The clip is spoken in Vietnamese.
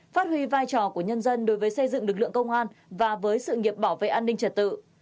phát huy vai trò của nhân dân đối với xây dựng lực lượng công an và với sự nghiệp bảo vệ an ninh trật tự